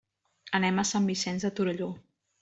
Anem a Sant Vicenç de Torelló.